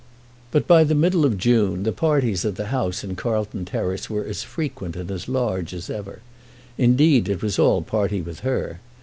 But by the middle of June the parties at the house in Carlton Terrace were as frequent and as large as ever. Indeed it was all party with her.